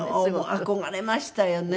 憧れましたよね。